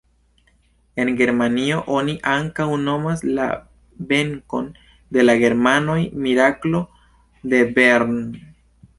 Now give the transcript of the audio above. En Germanio oni ankaŭ nomas la venkon de la germanoj "Miraklo de Bern".